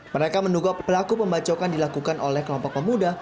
mereka menduga pelaku pembacokan dilakukan oleh kelompok pemuda